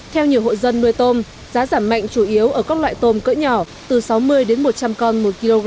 theo nhiều hộ dân nuôi tôm giá giảm mạnh chủ yếu ở các loại tôm cỡ nhỏ từ sáu mươi đến một trăm linh con một kg